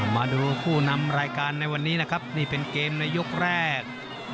มาดูผู้นำรายการในวันนี้นะครับนี่เป็นเกมในยกแรก